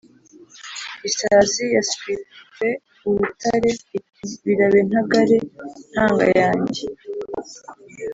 Isazi yaswitse urutare iti: birabe ntangare ntanga yanjye.